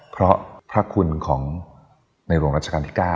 เพราะพระคุณของในหลวงราชการที่๙